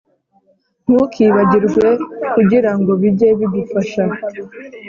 ntukibagirwe kugira ngo bijye bigufasha